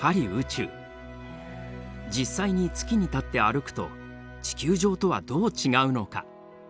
実際に月に立って歩くと地球上とはどう違うのか？